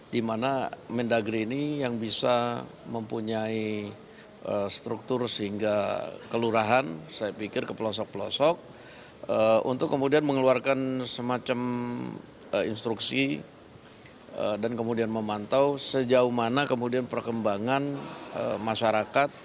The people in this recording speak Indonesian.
di mana mendagri ini yang bisa mempunyai struktur sehingga kelurahan saya pikir ke pelosok pelosok untuk kemudian mengeluarkan semacam instruksi dan kemudian memantau sejauh mana kemudian perkembangan masyarakat